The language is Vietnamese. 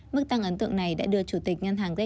mức tăng ấn tượng này đã đưa chủ tịch nhân hàng